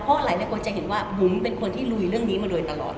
เพราะหลายคนจะเห็นว่าบุ๋มเป็นคนที่ลุยเรื่องนี้มาโดยตลอด